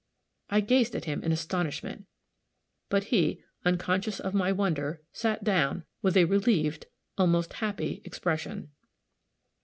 I gazed at him in astonishment; but he, unconscious of my wonder, sat down, with a relieved, almost happy, expression.